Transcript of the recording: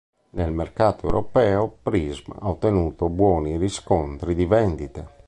Nel mercato europeo, "Prism" ha ottenuto buoni riscontri di vendite.